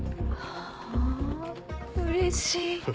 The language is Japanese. あうれしい！